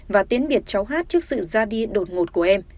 và tiến biệt cháu hát trước sự ra đi đột ngột của em